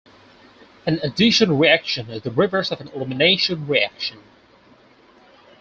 An addition reaction is the reverse of an elimination reaction.